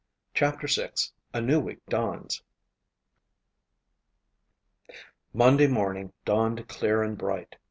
CHAPTER VI A New Week Dawns Monday morning dawned clear and bright.